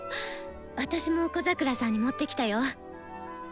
私も小桜さんに持ってきたよ。